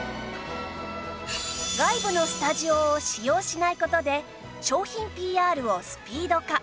外部のスタジオを使用しない事で商品 ＰＲ をスピード化